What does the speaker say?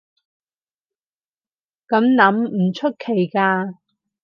噉諗唔出奇㗎